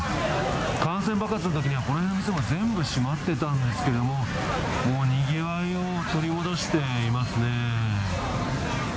感染爆発のときには、この辺の店も全部閉まってたんですけど、もうにぎわいを取り戻していますね。